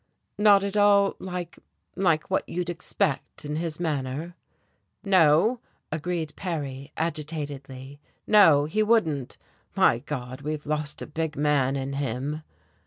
"Not at all like like what you'd expect, in his manner." "No," agreed Perry agitatedly, "no, he wouldn't. My God, we've lost a big man in him."